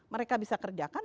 mereka bisa kerjakan